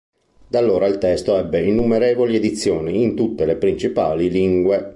Da allora il testo ebbe innumerevoli edizioni in tutte le principali lingue.